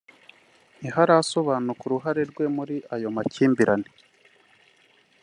ntiharasobanuka uruhare rwe muri ayo makimbirane